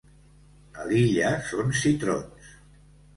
A Lilla són citrons.